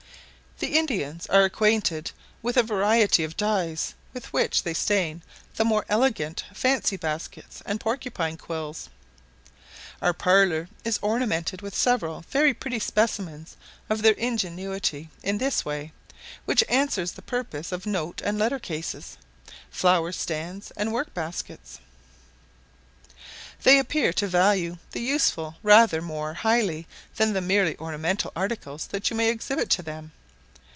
The Indians are acquainted with a variety of dyes, with which they stain the more elegant fancy baskets and porcupine quills. Our parlour is ornamented with several very pretty specimens of their ingenuity in this way, which answer the purpose of note and letter cases, flower stands, and work baskets. They appear to value the useful rather more highly than the merely ornamental articles that you may exhibit to them.